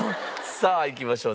さあいきましょう。